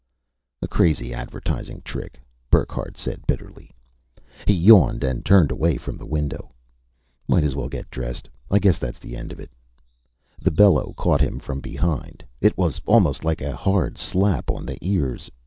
"A crazy advertising trick," Burckhardt said bitterly. He yawned and turned away from the window. "Might as well get dressed. I guess that's the end of " The bellow caught him from behind; it was almost like a hard slap on the ears.